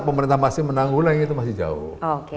pemerintah masih menanggulangi itu masih jauh